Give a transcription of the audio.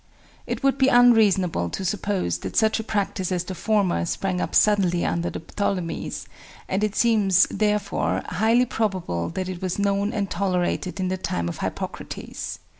It would be unreasonable to suppose that such a practice as the former sprang up suddenly under the Ptolemies, and it seems, therefore, highly probable that it was known and tolerated in the time of Hippocrates.